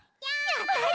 やったち！